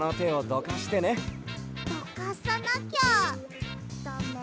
どかさなきゃだめ？